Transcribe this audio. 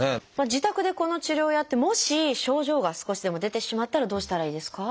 自宅でこの治療をやってもし症状が少しでも出てしまったらどうしたらいいですか？